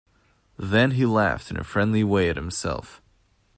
Then he laughed in a friendly way at himself.